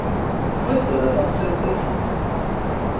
Kfu-d tura taqsiṭ-ik!